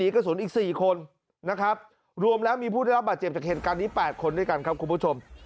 กระสุนอีก๔คนนะครับรวมแล้วมีผู้ได้รับบาดเจ็บจากเหตุการณ์นี้๘คนด้วยกันครับคุณผู้ชม